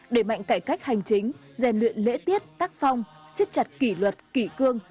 đẩy mạnh cải cách hành chính rèn luyện lễ tiết tác phong siết chặt kỷ luật kỷ cương